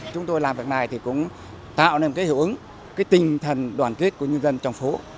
chúng tôi làm việc này thì cũng tạo nên cái hữu ứng cái tinh thần đoàn kết của nhân dân trong phố